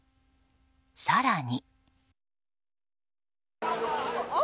更に。